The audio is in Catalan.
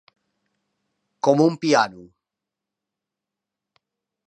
Com un piano.